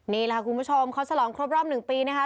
นี่แหละคุณผู้ชมเขาฉลองครบรอบ๑ปีนะคะ